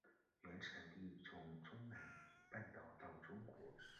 原产地从中南半岛到中国。